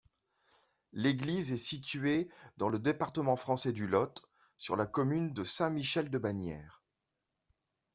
L'église est située dans le département français du Lot, sur la commune de Saint-Michel-de-Bannières.